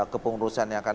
kepengurusan yang akan